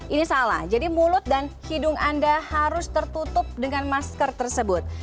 ini salah jadi mulut dan hidung anda harus tertutup dengan masker tersebut